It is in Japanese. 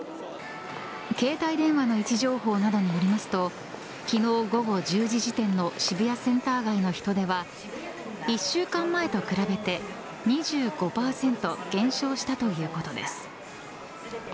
携帯電話の位置情報などによりますと昨日午後１０時時点の渋谷センター街の人出は１週間前と比べて２５％減少したということです。